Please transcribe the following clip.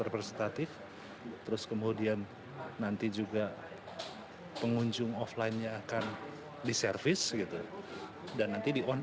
representatif terus kemudian nanti juga pengunjung offline nya akan diservis gitu dan nanti di on